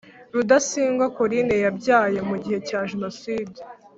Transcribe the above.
Rudasingwa Coline yabyaye mu gihe cya Jenoside